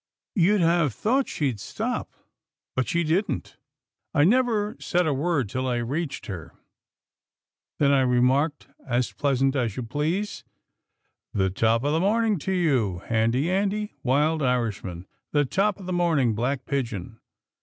You'd have thought she'd stop, but she didn't. I never said a word till I reached her, then I remarked as pleasant as you please, ^ The top of the morning to you. Handy Andy, wild Irishman — The top of the morning, black pigeon.'